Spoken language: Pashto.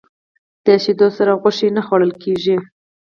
د شیدو سره غوښه نه خوړل کېږي.